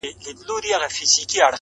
لښکر د ابوجهل ته به کلي تنها نه وي -